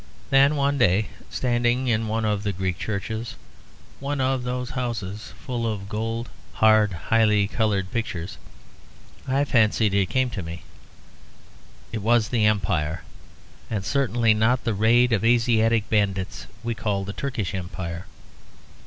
Then one day, standing in one of the Greek churches, one of those houses of gold full of hard highly coloured pictures, I fancied it came to me. It was the Empire. And certainly not the raid of Asiatic bandits we call the Turkish Empire.